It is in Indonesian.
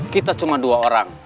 kita cuma dua orang